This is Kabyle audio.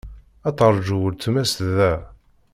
Ad teṛju weltma-s da.